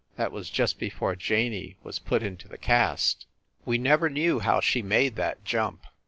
That was just before Janey was put into the caste. We never knew how she made that jump.